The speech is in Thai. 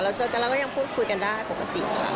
เจอกันแล้วก็ยังพูดคุยกันได้ปกติค่ะ